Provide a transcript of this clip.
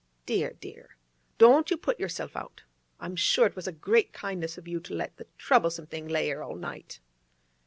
Dear, dear! Don't you put yerself out. I'm sure it was a great kindness of you to let the troublesome thing lay 'ere all night.